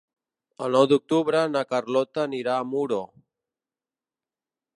El nou d'octubre na Carlota anirà a Muro.